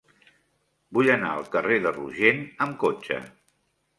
Vull anar al carrer de Rogent amb cotxe.